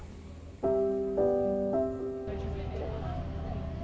penerima manfaat secara bertahap